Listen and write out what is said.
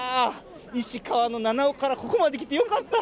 石川の七尾からここまで来てよかった。